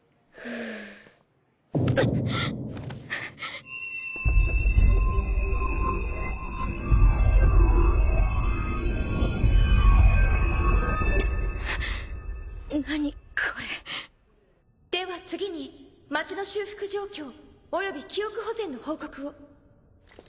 法では次に町の修復状況および記憶保全の報告を。